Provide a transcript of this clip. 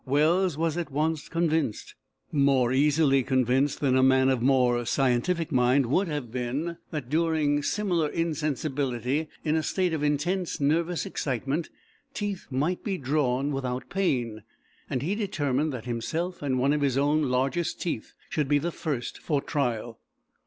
Wells was at once convinced more easily convinced than a man of more scientific mind would have been that, during similar insensibility, in a state of intense nervous excitement, teeth might be drawn without pain, and he determined that himself and one of his own largest teeth should be the first for trial.